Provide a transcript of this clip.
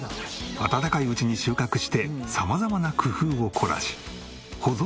暖かいうちに収穫して様々な工夫を凝らし。